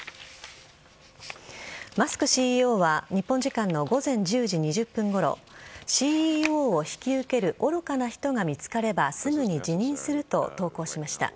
マスクＣＥＯは日本時間の午前１０時２０分ごろＣＥＯを引き受ける愚かな人が見つかればすぐに辞任すると投稿しました。